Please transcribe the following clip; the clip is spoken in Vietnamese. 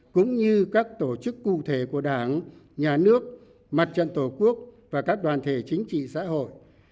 cũng như các tổ chức cụ thể của đảng nhà nước mặt trận tổ quốc và các đoàn thể chính trị xã hội